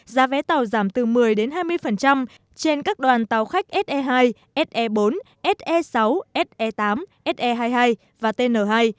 giá vé tàu giảm từ một mươi đến hai mươi trên các đoàn tàu khách se hai se bốn se sáu se tám se hai mươi hai và tn hai